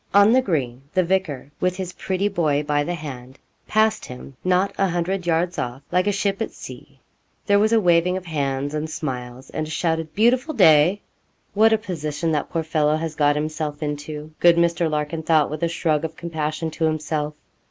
On the green the vicar, with his pretty boy by the hand, passed him, not a hundred yards off, like a ship at sea. There was a waving of hands, and smiles, and a shouted 'beautiful day.' 'What a position that poor fellow has got himself into!' good Mr. Larkin thought, with a shrug of compassion, to himself.